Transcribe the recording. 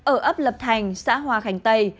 ở ấp lập thành xã hòa khánh tây